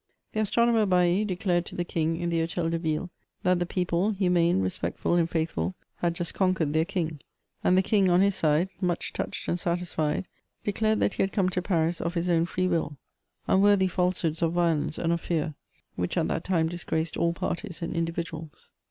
The astronomer Bailly declared to the king^ in the H6tel de Yille, that the people, humane, respectfuly arid faithful^ had just conquered their king ; and the king, on his side, mtich touched and satisfied, declared that he had come to Paris of his oionfree unll: unworthy falsehoods of violence and of fear, which at that time disgraced all parties and individuals.